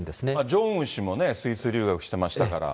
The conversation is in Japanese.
ジョンウン氏もスイス留学してましたから。